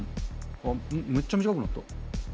あっむっちゃ短くなった。